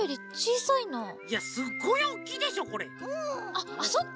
あっそっか。